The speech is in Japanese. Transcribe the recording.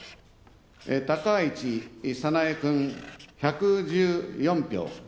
高市早苗君、１１４票。